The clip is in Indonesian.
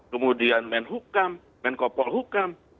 kemudian men hukam men kopol hukam